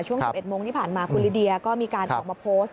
ช่วง๑๑โมงที่ผ่านมาคุณลิเดียก็มีการออกมาโพสต์